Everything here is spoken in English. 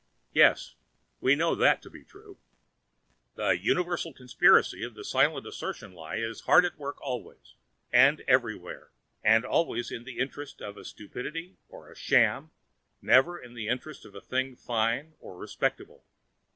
Yes, we know that to be true. The universal conspiracy of the silent assertion lie is hard at work always and everywhere, and always in the interest of a stupidity or a sham, never in the interest of a thing fine or respectable.